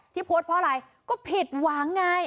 โพสต์เพราะอะไรก็ผิดหวังไง